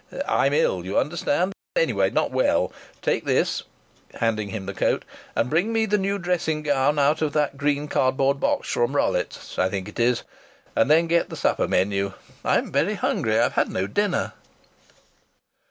"I'm ill, you understand. Anyhow, not well. Take this," handing him the coat, "and bring me the new dressing gown out of that green cardboard box from Rollet's I think it is. And then get the supper menu. I'm very hungry. I've had no dinner."